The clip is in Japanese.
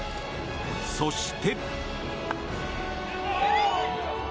そして。